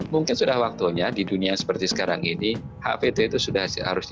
mungkin sudah waktunya di dunia seperti sekarang ini hpt itu sudah harus direformasi